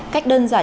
cách đơn giản